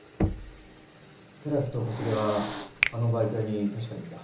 寺木と小菅はあのバイク屋に確かにいた。